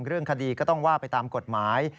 เรื่องคดีก็ต้องว่าไปตามกฎหมาย